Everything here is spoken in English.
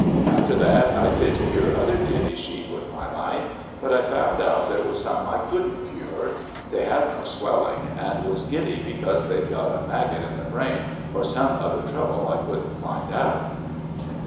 After that I did cure other giddy sheep with my knife, but I found out there were some I couldn't cure. They had no swelling, and was giddy because they'd got a maggot on the brain or some other trouble I couldn't find out."